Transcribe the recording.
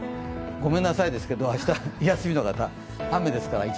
ごめんなさいですけど明日休みの方、一日雨ですから。